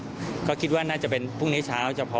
ว่ากำลังจะแต่งงานกับแดริลยังแฟนหนุ่มชาวสิงคโปร์